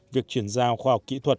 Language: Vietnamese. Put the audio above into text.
việc chuyển giao khoa học kỹ thuật